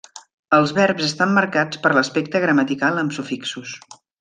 Els verbs estan marcats per l'aspecte gramatical amb sufixos.